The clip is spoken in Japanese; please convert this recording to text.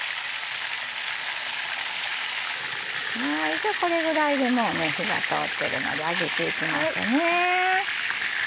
じゃあこれぐらいでもう火が通ってるので上げていきますね。